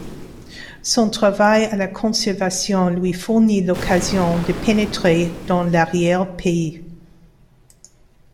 Son travail à la Conservation lui fournit l’occasion de pénétrer dans l’arrière-pays.